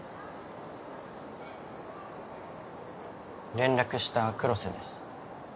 連絡した黒瀬です。